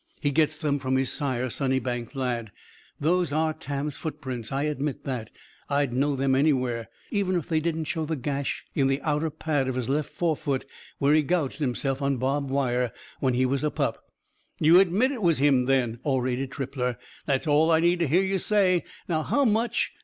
He gets them from his sire, Sunnybank Lad. Those are Tam's footprints, I admit that. I'd know them anywhere; even if they didn't show the gash in the outer pad of the left forefoot; where he gouged himself on barbed wire when he was a pup." "You admit it was him, then!" orated Trippler. "That's all I need to hear you say! Now, how much